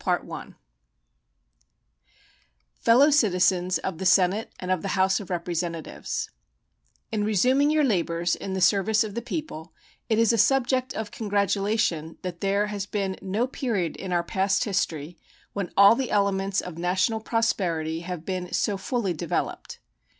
POLK State of the Union Address James Polk December 8, 1846 Fellow Citizens of the Senate and of the House of Representatives: In resuming your labors in the service of the people it is a subject of congratulation that there has been no period in our past history when all the elements of national prosperity have been so fully developed.